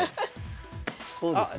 こうですね？